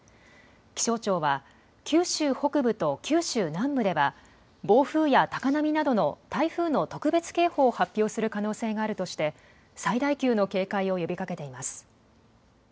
気象庁は九州北部と九州南部では暴風や高波などの台風の特別警報を発表する可能性があるとして最大級の警戒を呼びかけています。